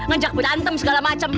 ngejak berantem segala macem